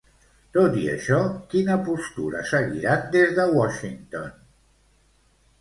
Tot i això, quina postura seguiran des de Washington?